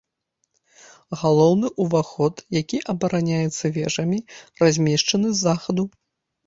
Галоўны ўваход, які абараняецца вежамі, размешчаны з захаду.